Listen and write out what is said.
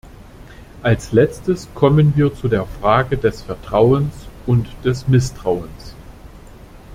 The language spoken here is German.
Als letztes kommen wir zu der Frage des Vertrauens und des Misstrauens.